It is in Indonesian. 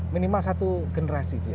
minimal satu generasi